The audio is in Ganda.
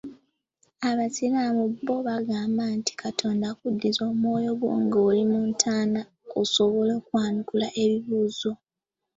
Abasiraamu bo bagamba nti Katonda akuddiza omwoyo gwo nga oli mu ntaana osobole okwanukula ebibuuzo.